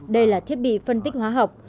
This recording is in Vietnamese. đây là thiết bị phân tích hóa học